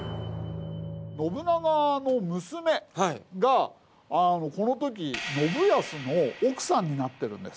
信長の娘がこのとき信康の奥さんになってるんです。